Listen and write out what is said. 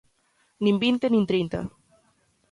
Nin vinte, nin trinta.